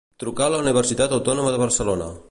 Trucar a la Universitat Autònoma de Barcelona.